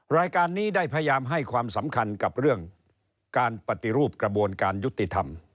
รายการนี้ได้พยายามให้ความสำคัญกับเรื่องการปฏิรูปกระบวนการยุติธรรม